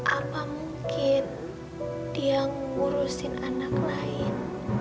apa mungkin dia ngurusin anak lain